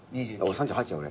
３８や俺。